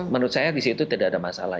menurut saya di situ tidak ada masalah